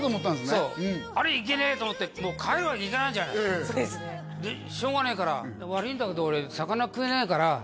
そうあれいけねえと思ってもう帰るわけいかないじゃないそうですねでしょうがねえから「悪いんだけど俺魚食えないから」